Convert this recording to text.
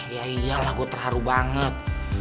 ya iyalah gue terharu banget